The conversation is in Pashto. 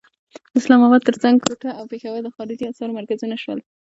د اسلام اباد تر څنګ کوټه او پېښور د خارجي اسعارو مرکزونه شول.